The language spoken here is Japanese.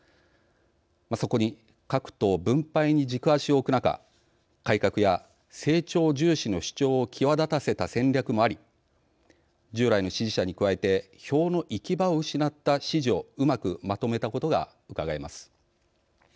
そこに各党分配に軸足を置く中改革や成長重視の主張を際立たせた戦略もあり従来の支持者に加えて票の行き場を失った支持をうまくまとめたことがうかがえます。